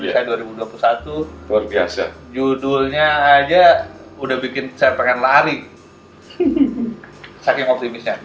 saya dua ribu dua puluh satu luar biasa judulnya aja udah bikin saya pengen lari saking optimisnya